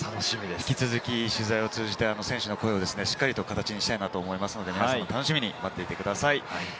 引き続き取材を通じて選手の声をしっかりと形にしたいと思いますので、楽しみに待っていてください。